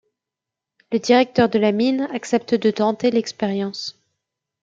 Le directeur de la mine accepte de tenter l'expérience.